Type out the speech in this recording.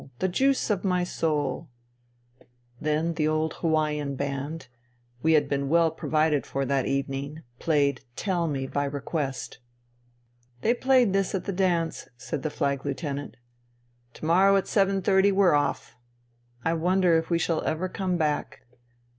The juice of my soul. ...''* Then the old Hawaian band — ^we had been well pro vided for that evening —played " Tell me,'' by request. " They played this at that dance," said the Flag Lieutenant. "' To morrow at 7.30 we're off. I wonder if we shall ever come back."